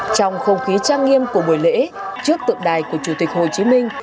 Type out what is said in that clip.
trong không khí trang nghiêm của buổi lễ trước tượng đài của chủ tịch hồ chí minh